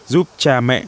giúp cha mẹ